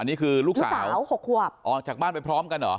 อันนี้คือลูกสาวลูกสาวหกขวบออกจากบ้านไปพร้อมกันเหรอ